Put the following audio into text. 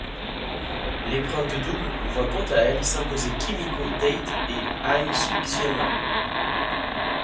L'épreuve de double voit quant à elle s'imposer Kimiko Date et Ai Sugiyama.